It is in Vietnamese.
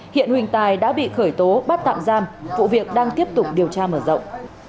hiện huỳnh tài đã bị khởi tố bắt tạm giam vụ việc đang tiếp tục điều tra mở rộng